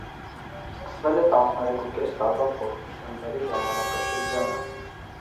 Սկսվել է տասներեք ու կես տարվա փորձությունների ժամանակաշրջանը։